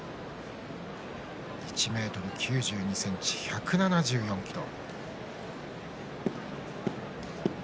１ｍ９２ｃｍ、１７４ｋｇ。